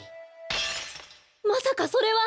まさかそれは。